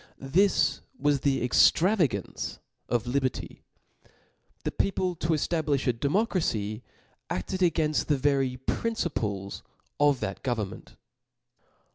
This was the ex<^ travagance of liberty. The people, to eftabli(h a democracy, afted againft the very principles of that government.